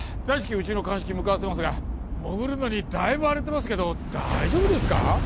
大至急うちの鑑識向かわせますが潜るのにだいぶ荒れてますけど大丈夫ですか？